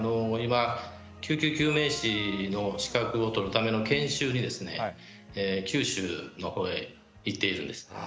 今救急救命士の資格を取るための研修にですね九州の方へ行っているんです。